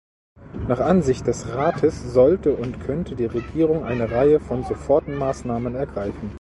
Nach Ansicht des Rates sollte und könnte die Regierung eine Reihe von Sofortmaßnahmen ergreifen.